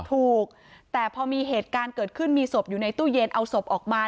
ถูกแต่พอมีเหตุการณ์เกิดขึ้นมีศพอยู่ในตู้เย็นเอาศพออกมา